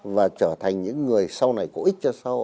và trở thành những người sau này có ích cho sau